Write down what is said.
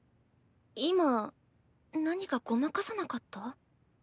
今何かごまかさなかった？